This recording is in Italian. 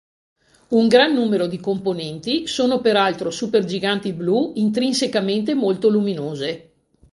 Un gran numero di componenti sono per altro supergiganti blu intrinsecamente molto luminose.